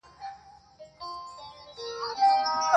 ټول بکواسیات دي.